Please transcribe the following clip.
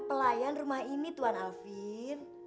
pelayan rumah ini tuan alvin